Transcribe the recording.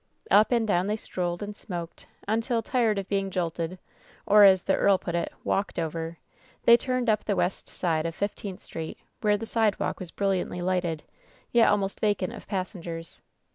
Up and down they strolled and smoked nntil, tired of being jolted, or, as the earl put it, "walked over," they turned up the west side of Fifteenth Street, where the sidewalk was brilliantly lighted, yet almost vacant of passengers.